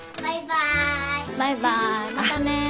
またね。